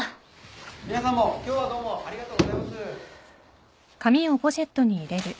皆さんも今日はどうもありがとうございます。